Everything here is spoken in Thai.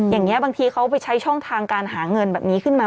อย่างนี้บางทีเขาไปใช้ช่องทางการหาเงินแบบนี้ขึ้นมา